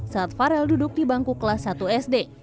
saat farel duduk di bangku kelas satu sd